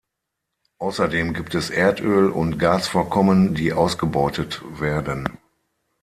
Außerdem gibt es Erdöl- und Gasvorkommen, die ausgebeutet werden.